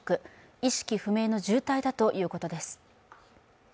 意識不明の重体だということです。